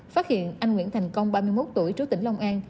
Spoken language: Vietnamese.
phát hiện anh nguyễn thành công ba mươi một tuổi trú tỉnh long an